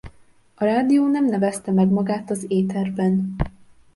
A rádió nem nevezte meg magát az éterben.